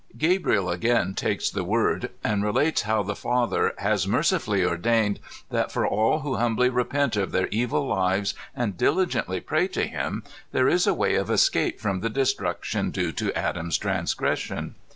Gabriel again takes the word, and relates how the Father has mercifully ordained that for all who humbly repent of their evil lives and diligently pray to Him there is a way of escape from the destruction due to Adam's transgression.